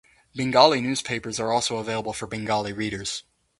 Bengali newspapers are also available for Bengali readers.